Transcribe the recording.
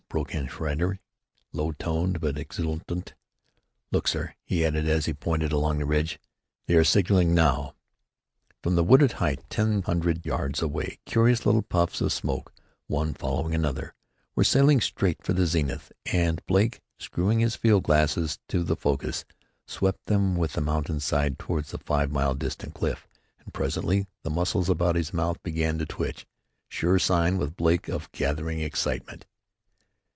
broke in Schreiber, low toned, but exultant. "Look sir," he added, as he pointed along the range. "They are signalling now." From the wooded height ten hundred yards away, curious little puffs of smoke, one following another, were sailing straight for the zenith, and Blake, screwing his field glasses to the focus, swept with them the mountain side toward the five mile distant cliff, and presently the muscles about his mouth began to twitch sure sign with Blake of gathering excitement.